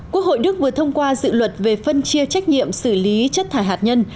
quốc hội đức vừa thông qua dự luật về phân chia trách nhiệm xử lý chất thải hạt nhân